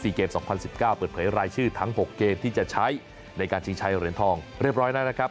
เรียกราบเปิดเพลย์รายชื่อทั้ง๖เกมที่จะใช้ในการใช้เรียนทองเรียบร้อยนะครับ